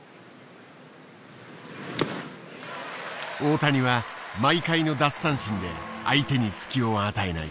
大谷は毎回の奪三振で相手に隙を与えない。